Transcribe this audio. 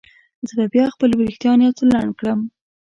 زه به بیا خپل وریښتان یو څه لنډ کړم.